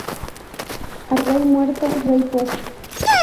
A rey muerto, rey puesto